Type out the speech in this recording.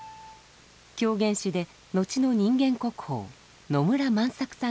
狂言師で後の人間国宝野村万作さんが演じています。